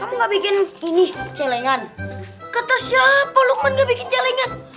kamu gak bikin ini celengan kata siapa lukman dia bikin celengan